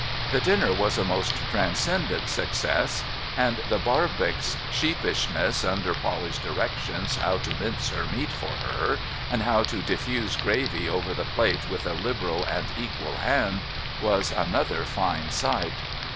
The dinner was a most transcendent success, and the Barbox sheepishness, under Polly's directions how to mince her meat for her, and how to diffuse gravy over the plate with a liberal and equal hand, was another fine sight.